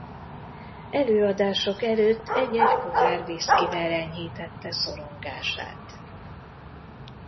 Előadások előtt egy-egy pohár whiskyvel enyhítette szorongását.